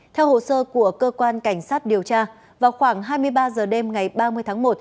theo hồ sơ của cơ quan cảnh sát điều tra vào khoảng hai mươi ba h đêm ngày ba mươi tháng một